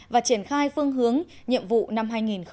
và triển khai phương hướng nhiệm vụ năm hai nghìn một mươi bảy